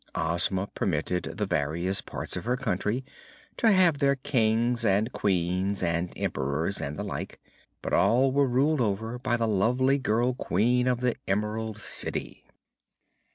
Ozma permitted the various parts of her country to have their Kings and Queens and Emperors and the like, but all were ruled over by the lovely girl Queen of the Emerald City.